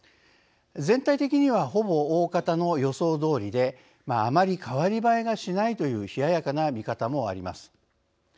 全体的にはほぼ、おおかたの予想どおりであまり代わり映えがしないと冷ややかな見方もあります。